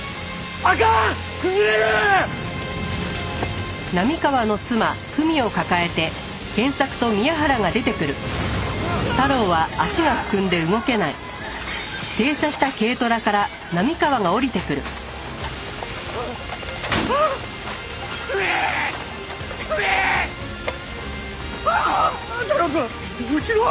ああっ太郎くん！うちのは？